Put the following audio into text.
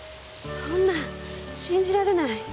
そんな信じられない。